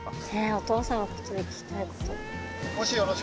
お父さんのことで聞きたいこと。